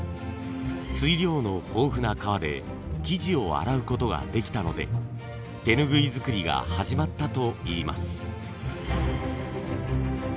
水量の豊富な川で生地を洗うことができたので手ぬぐい作りが始まったといいます。